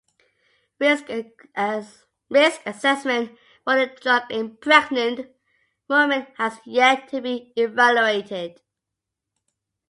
Risk assessment for the drug in pregnant women has yet to be evaluated.